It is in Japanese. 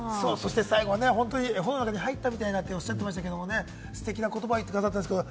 最後は絵本の中に入ったようなっておっしゃってましたけれども、ステキな言葉を言ってくださいました。